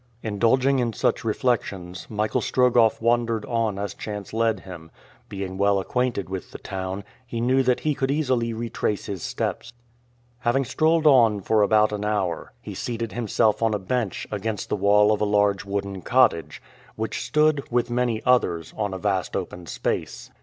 Indulging in such reflections, Michael Strogoff wandered on as chance led him; being well acquainted with the town, he knew that he could easily retrace his steps. Having strolled on for about an hour, he seated himself on a bench against the wall of a large wooden cottage, which stood, with many others, on a vast open space.